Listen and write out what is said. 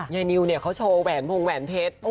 ยังหนีวเนี่ยเค้าโชว์แหวนหุงแหวนเพชร